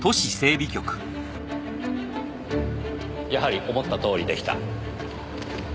やはり思ったとおりでした。